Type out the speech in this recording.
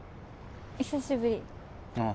久しぶりああ